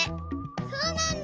そうなんだ。